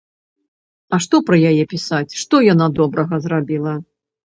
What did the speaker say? А што пра яе пісаць, што яна добрага зрабіла?